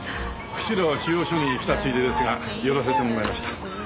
釧路中央署に来たついでですが寄らせてもらいました。